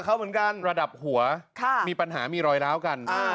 แต่นี่คือระดับหัวมีปัญหามีรอยล้าวกัน